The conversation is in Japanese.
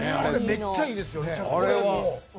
めっちゃいいですよね。